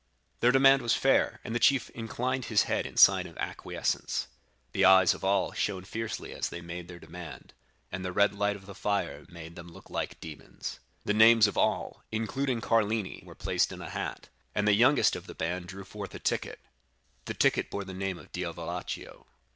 "Their demand was fair, and the chief inclined his head in sign of acquiescence. The eyes of all shone fiercely as they made their demand, and the red light of the fire made them look like demons. The names of all, including Carlini, were placed in a hat, and the youngest of the band drew forth a ticket; the ticket bore the name of Diavolaccio.